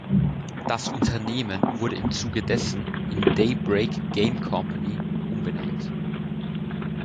Das Unternehmen wurde im Zuge dessen in Daybreak Game Company umbenannt.